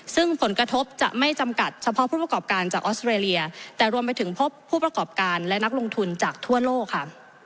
ซึ่งผลกระทบจะไม่จำกัดเฉพาะผู้ประกอบการจากออสเตรเลียแต่รวมไปถึงพบผู้ประกอบการและนักลงทุนจากทั่วโลกค่ะ